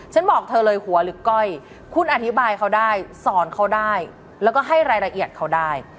บอกเธอเลยหัวหรือก้อยคุณอธิบายเขาได้สอนเขาได้แล้วก็ให้รายละเอียดเขาได้